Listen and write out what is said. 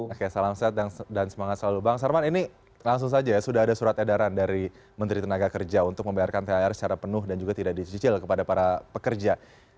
oke salam sehat dan semangat selalu bang sarman ini langsung saja ya sudah ada surat edaran dari menteri tenaga kerja untuk membayarkan thr secara penuh dan juga tidak dicicil kepada para pekerja